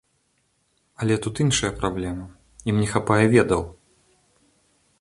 Але тут іншая праблема, ім не хапае ведаў.